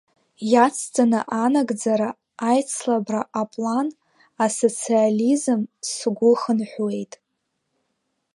Иацҵаны анагӡара, аицлабра, аплан, асоциализм, сгәы хынҳәуеит!